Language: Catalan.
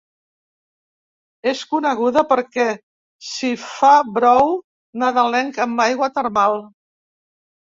És coneguda perquè s’hi fa brou nadalenc amb aigua termal.